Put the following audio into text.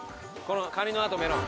カニの後メロン。